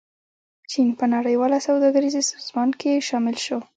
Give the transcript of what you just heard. چین په نړیواله سوداګریزې سازمان کې شامل شو.